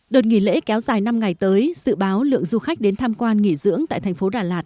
đợt nghỉ lễ kéo dài năm ngày tới dự báo lượng du khách đến tham quan nghỉ dưỡng tại thành phố đà lạt